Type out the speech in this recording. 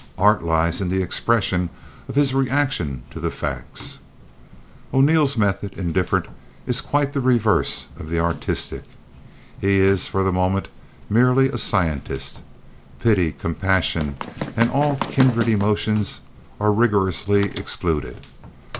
Art lies in the expression of his reaction to the facts. O'Neill's method in Diff'rent is quite the reverse of the artistic. He is, for the moment, merely a scientist. Pity, compassion and all kindred emotions are rigorously excluded.